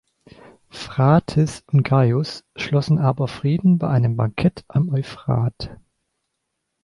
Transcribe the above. Phraates und Gaius schlossen aber Frieden bei einem Bankett am Euphrat.